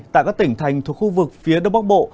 tại các tỉnh thành thuộc khu vực phía đông bắc bộ